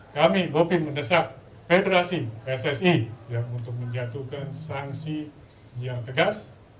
kami bopi mendesak federasi pssi untuk menjatuhkan sanksi yang tegas